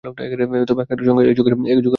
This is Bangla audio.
তার আগেকার সঙ্গে এ যুগের মাঝখানকার ক্রম যেন নেই।